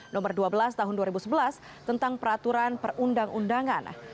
nomor dua belas tahun dua ribu sebelas tentang peraturan perundang undangan